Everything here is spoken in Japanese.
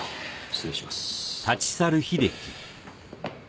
失礼します。